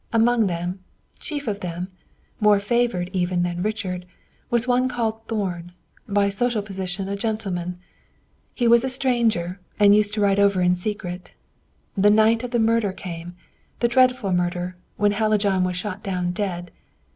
Among them, chief of them, more favored even than Richard, was one called Thorn, by social position a gentleman. He was a stranger, and used to ride over in secret. The night of the murder came the dreadful murder, when Hallijohn was shot down dead.